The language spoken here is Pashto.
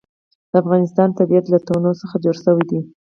د افغانستان طبیعت له تنوع څخه جوړ شوی دی.